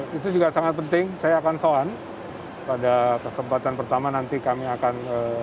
itu juga sangat penting saya akan soan pada kesempatan pertama nanti kami akan